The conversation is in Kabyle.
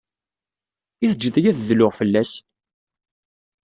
I teǧǧeḍ-iyi ad dluɣ fell-as?